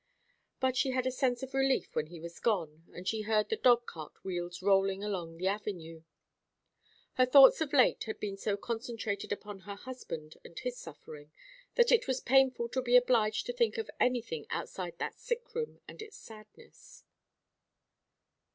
But she had a sense of relief when he was gone, and she heard the dog cart wheels rolling along the avenue. Her thoughts of late had been so concentrated upon her husband and his suffering that it was painful to be obliged to think of anything outside that sick room and its sadness.